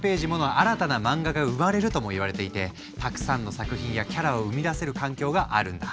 新たな漫画が生まれるともいわれていてたくさんの作品やキャラを生み出せる環境があるんだ。